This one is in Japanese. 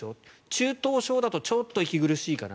中等症だとちょっと息苦しいかな。